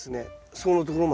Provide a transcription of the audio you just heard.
そこのところまで。